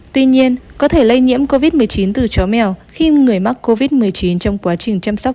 tuy nhiên có thể lây nhiễm covid một mươi chín từ chó mèo khi người mắc covid một mươi chín trong quá trình chăm sóc